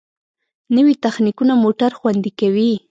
نوې تخنیکونه موټر خوندي کوي.